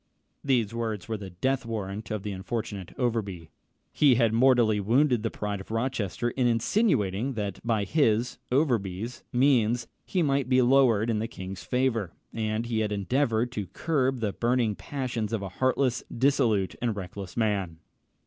These words were the death warrant of the unfortunate Overbury. He had mortally wounded the pride of Rochester in insinuating that by his (Overbury's) means he might be lowered in the king's favour; and he had endeavoured to curb the burning passions of a heartless, dissolute, and reckless man.